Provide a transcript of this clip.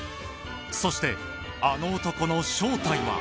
そしてあの男の正体は？